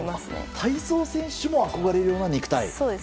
体操選手も憧れるような肉体なんですね。